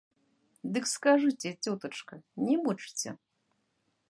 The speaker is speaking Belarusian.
Дык скажыце, цётачка, не мучце!